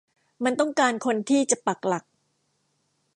มันต้องการคนที่จะปักหลัก